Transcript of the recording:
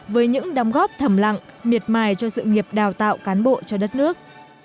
với những đóng góp thầm lặng miệt mài cho sự nghiệp đào tạo cán bộ cho đất nước